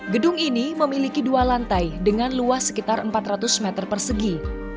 gedung ini memiliki dua lantai dengan luas sekitar empat ratus meter persegi